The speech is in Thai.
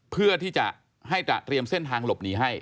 เพื่อที่จะให้เตรียมเส้นทางหลบหนีให้